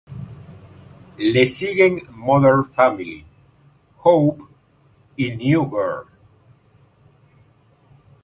Le siguen "Modern Family", "Hope" y "New Girl".